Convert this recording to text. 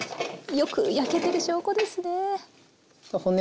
よく焼けてる証拠ですね。